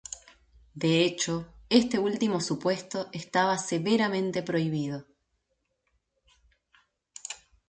De hecho, este último supuesto estaba severamente prohibido.